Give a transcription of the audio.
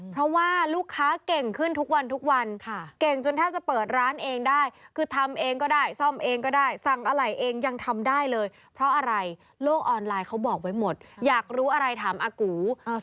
เพราะว่าลูกค้าเก่งขึ้นทุกวันทุกวันเก่งจนแทบจะเปิดร้านเองได้คือทำเองก็ได้ซ่อมเองก็ได้สั่งอะไรเองยังทำได้เลยเพราะอะไรโลกออนไลน์เขาบอกไว้หมดอยากรู้อะไรถามอากู